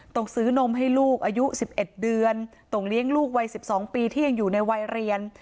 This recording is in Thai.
ต้องซื้อนมให้ลูกอายุ๑๑เดือนต้องเลี้ยงลูกวัย๑๒ปีที่ยังอยู่ในวัยเรียน